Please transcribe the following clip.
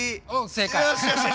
正解。